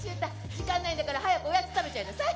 時間ないんだから早くおやつ食べちゃいなさい。